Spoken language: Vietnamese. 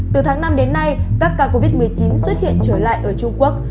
từ tháng năm đến nay các ca covid một mươi chín xuất hiện trở lại ở trung quốc